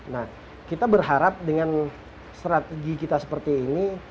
nah kita berharap dengan strategi kita seperti ini